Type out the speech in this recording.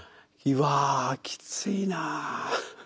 「うわきついなあ。